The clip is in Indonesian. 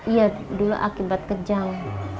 iya dulu akibat kejang